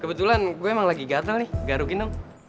kebetulan gue emang lagi gatel nih gak rugiin dong